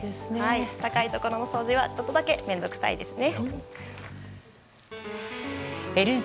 高いところの掃除はちょっとだけ面倒くさいですね。